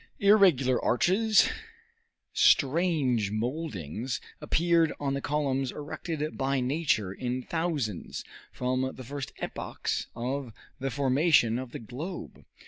Irregular arches, strange moldings, appeared on the columns erected by nature in thousands from the first epochs of the formation of the globe.